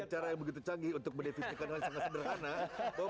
ada cara yang begitu canggih untuk mendefinisikan hal sangat sederhana